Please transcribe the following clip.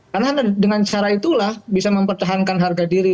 karena dengan cara itulah bisa mempertahankan harga diri